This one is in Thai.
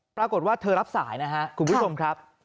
ปรากฏว่าเธอรับสายนะครับคุณผู้ชมครับ